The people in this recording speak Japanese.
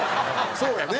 そうやね。